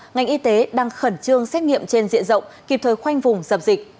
ngành y tế đang khẩn trương xét nghiệm trên diện rộng kịp thời khoanh vùng dập dịch